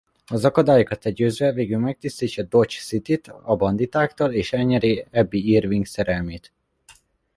Az akadályokat legyőzve végül megtisztítja Dodge Cityt a banditáktól és elnyeri Abbie Irving szerelmét.